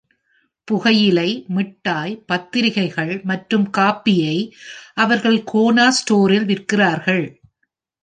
புகையிலை, மிட்டாய், பத்திரிக்கைகள் மற்றும் காபியை அவர்கள் கோனா ஸ்டோரில் விற்கிறார்கள்.